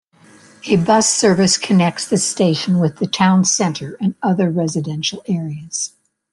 A bus service connects the station with the town centre and other residential areas.